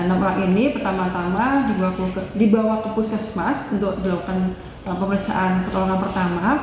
enam orang ini pertama tama dibawa ke puskesmas untuk dilakukan pemeriksaan pertolongan pertama